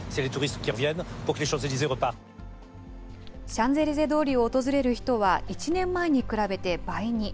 シャンゼリゼ通りを訪れる人は１年前に比べて倍に。